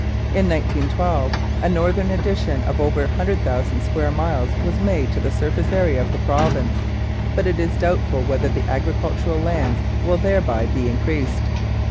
In 1912 a northern addition of over 100,000 square miles was made to the surface area of the province, but it is doubtful whether the agricultural lands will thereby be increased.